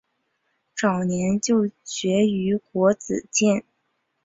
早年就学于国子监。